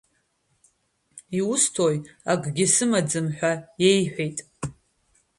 Иусҭои, акгьы сымаӡам, ҳәа иеиҳәеит.